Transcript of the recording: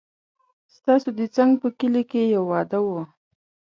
ستاسو د څنګ په کلي کې يو واده و